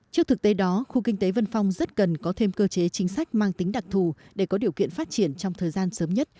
trước thực tế đó khu kinh tế vân phong rất cần có thêm cơ chế chính sách mang tính đặc thù để có điều kiện phát triển trong thời gian sớm nhất